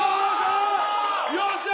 よっしゃ！